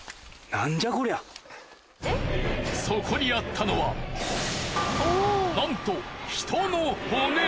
そこにあったのはなんと人の骨。